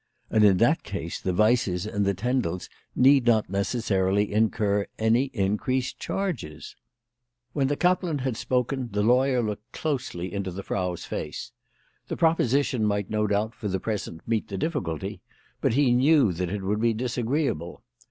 And in that case the Weisses and the Tendels need not necessarily incur any increased charges. When the kaplan had spoken the lawyer looked closely into the Frau's face. The proposition might no doubt for the present meet the difficulty, but he knew that it would be disagreeable.